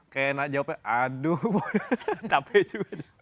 kayak jawabannya aduh capek juga